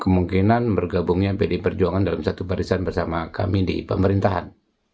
kemungkinan bergabungnya pdi perjuangan dalam satu barisan bersama kami di pemerintahan